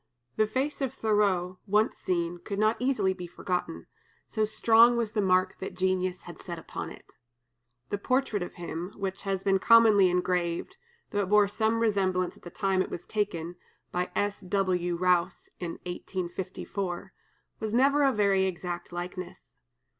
The face of Thoreau, once seen, could not easily be forgotten, so strong was the mark that genius had set upon it. The portrait of him, which has been commonly engraved, though it bore some resemblance at the time it was taken (by S. W. Rowse, in 1854), was never a very exact likeness.